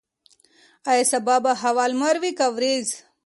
ایا سبا به هوا لمر وي که وریځ؟